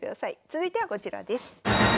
続いてはこちらです。